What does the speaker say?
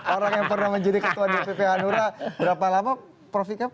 orang yang pernah menjadi ketua dpp hanura berapa lama prof ikam